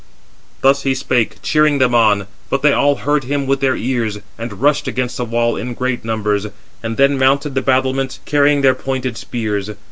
Thus he spake, cheering them on; but they all heard him with their ears, and rushed against the wall in great numbers, and then mounted the battlements, carrying their pointed spears.